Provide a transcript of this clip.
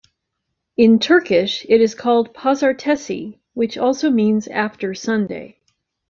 In Turkish it is called "pazartesi", which also means "after Sunday".